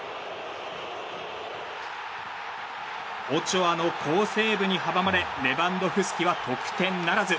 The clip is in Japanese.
オチョアの好セーブにはばまれレバンドフスキは得点ならず。